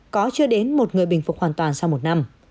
có chưa đến một người bình phục hoàn toàn sau một năm